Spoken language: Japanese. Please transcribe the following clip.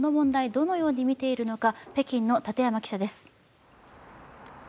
どのように見ているのか、北京の立山記者です。